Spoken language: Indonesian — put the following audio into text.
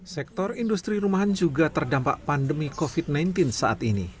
sektor industri rumahan juga terdampak pandemi covid sembilan belas saat ini